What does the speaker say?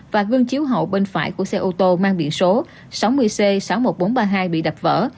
và gương chiếu hậu bên phải của xe ô tô mang biển số sáu mươi c sáu mươi một nghìn bốn trăm ba mươi hai bị đập vỡ